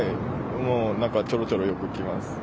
もう、ちょろちょろよく来ます。